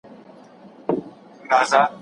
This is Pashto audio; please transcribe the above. پرمختللې ټولنې د ښځو نظرونو ته ارزښت ورکوي.